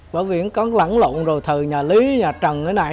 bởi vì nó có lãng lộn rồi